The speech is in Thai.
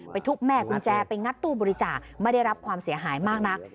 ทุบแม่กุญแจไปงัดตู้บริจาคไม่ได้รับความเสียหายมากนัก